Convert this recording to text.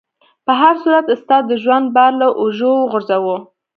په هر صورت استاد د ژوند بار له اوږو وغورځاوه.